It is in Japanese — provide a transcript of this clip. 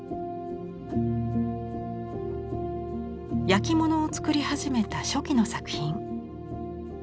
焼き物を作り始めた初期の作品。